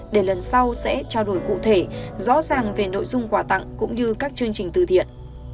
để lần sau sẽ trao đổi cụ thể rõ ràng về nội dung quà tặng cũng như các chương trình từ thiện